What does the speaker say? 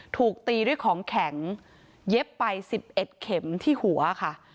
ถูกตีด้วยของแข็งเย็บไป๑๑เข็มที่หัวค่ะ